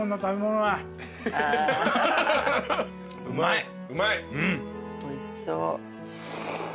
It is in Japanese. うまい。